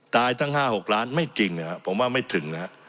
ตายตั้ง๕๖ล้านไม่จริงผมว่าไม่ถึง